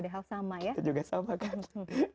kita juga sama kan